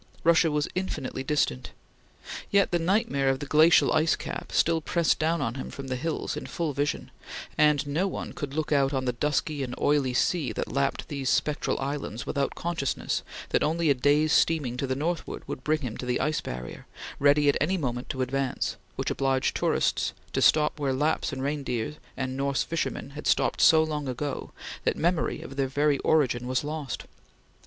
Russia was infinitely distant. Yet the nightmare of the glacial ice cap still pressed down on him from the hills, in full vision, and no one could look out on the dusky and oily sea that lapped these spectral islands without consciousness that only a day's steaming to the northward would bring him to the ice barrier, ready at any moment to advance, which obliged tourists to stop where Laps and reindeer and Norse fishermen had stopped so long ago that memory of their very origin was lost.